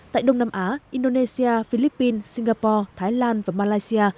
tại đông nam á indonesia philippines singapore thái lan và malaysia